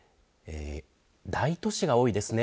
大都市が多いですね。